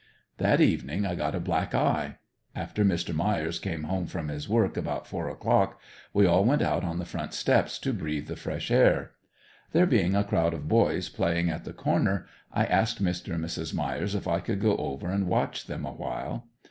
That evening I got a black eye. After Mr. Myers came home from his work about four o'clock, we all went out on the front steps to breathe the fresh air. There being a crowd of boys playing at the corner I asked Mr. and Mrs. Myers if I could go over and watch them awhile.